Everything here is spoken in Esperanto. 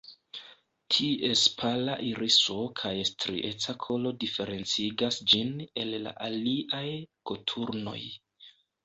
Ties pala iriso kaj strieca kolo diferencigas ĝin el la aliaj koturnoj.